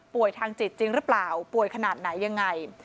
ทางจิตจริงหรือเปล่าป่วยขนาดไหนยังไง